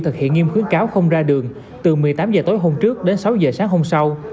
thực hiện nghiêm khuyến cáo không ra đường từ một mươi tám h tối hôm trước đến sáu h sáng hôm sau